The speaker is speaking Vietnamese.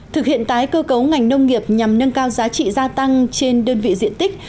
thực hiện tái cơ cấu ngành nông nghiệp nhằm nâng cao giá trị gia tăng trên đơn vị diện tích